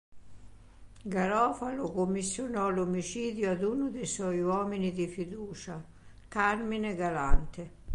Garofalo commissionò l'omicidio ad uno dei suoi uomini di fiducia Carmine Galante.